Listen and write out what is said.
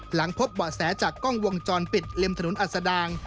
หลังพบเบาะแสจากกล้องวงจรปิดริมถนนอัศดาง